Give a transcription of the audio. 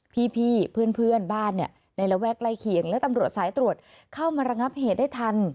พี่เพื่อนบ้านในระแวกใกล้เคียงและตำรวจสายตรวจเข้ามาระงับเหตุได้ทัน